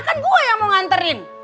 kan gue yang mau nganterin